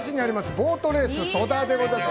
ボートレース戸田でございます。